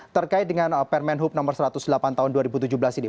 terkait dengan permen hub no satu ratus delapan tahun dua ribu tujuh belas ini